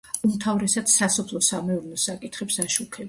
უმთავრესად სასოფლო-სამეურნეო საკითხებს აშუქებდა.